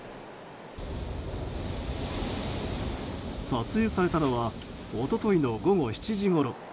撮影されたのは一昨日の午後７時ごろ。